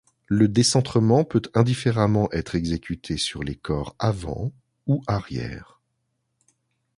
Le décentrement peut indifféremment être exécuté sur les corps avant ou arrière.